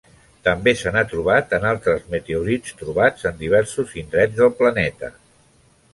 També s n'ha trobat en altres meteorits trobats en diversos indrets del planeta.